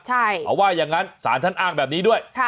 เขาว่ายังงั้นสารท่านอ้างแบบนี้ด้วย